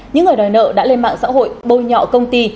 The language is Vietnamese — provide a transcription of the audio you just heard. những người đòi nợ đã lên mạng xã hội bôi nhọ công ty